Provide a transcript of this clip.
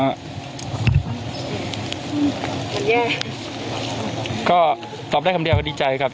แย่ก็ตอบได้คำเดียวก็ดีใจครับ